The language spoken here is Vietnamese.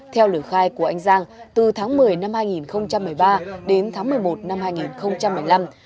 theo lời khai của anh giang từ tháng một mươi năm hai nghìn một mươi ba đến tháng một mươi một năm hai nghìn một mươi năm